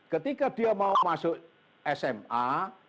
ketika dia mau masuk sma